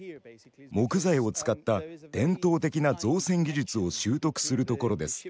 木材を使った伝統的な造船技術を習得するところです。